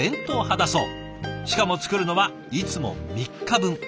しかも作るのはいつも３日分。